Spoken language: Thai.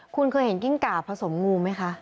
คุณเคยเห็นกิ้งกาบผสมงูไหมคะ